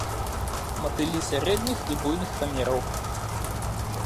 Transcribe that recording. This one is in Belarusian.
Матылі сярэдніх і буйных памераў.